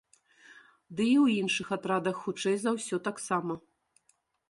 Ды і ў іншых атрадах хутчэй за ўсё таксама.